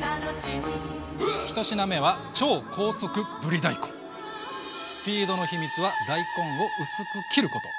１品目はスピードの秘密は大根を薄く切ること。